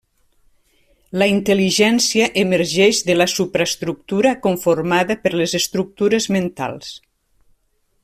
La intel·ligència emergeix de la supraestructura conformada per les estructures mentals.